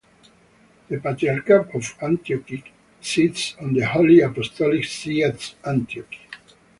The Patriarch of Antioch sits on the Holy Apostolic See at Antioch.